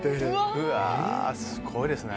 うわすごいですね！